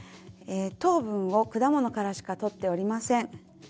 糖分を果物からしか取っておりません。